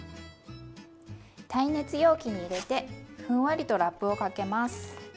耐熱容器に入れてふんわりとラップをかけます。